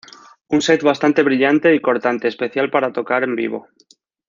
Un set bastante brillante y cortante, especial para tocar en vivo.